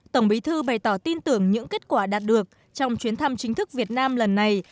tổng bí thư bày tỏ tin tưởng những kết quả đạt được trong chuyến thăm chính thức việt nam lần này